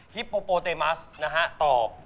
โปโปเตมัสนะฮะตอบ